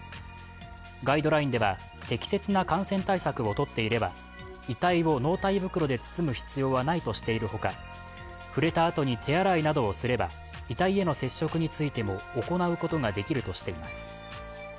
ガイドラインでは適切な感染対策をとっていれば遺体を納体袋で包む必要はないとしているほか、触れたあとに手洗いなどをすれば、遺体への接触についても行うことができるとしています。